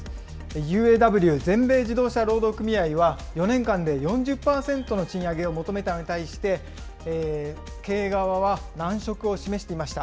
ＵＡＷ・全米自動車労働組合は４年間で４０％の賃上げを求めたのに対して、経営側は難色を示していました。